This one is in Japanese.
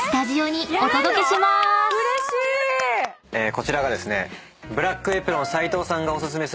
こちらがですねブラックエプロン斉藤さんがオススメする。